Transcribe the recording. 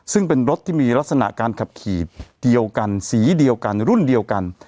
ซึ่งเป็นรถที่มีลักษณะการขับขี่เดียวกันสีเดียวกันรุ่นเดียวกัน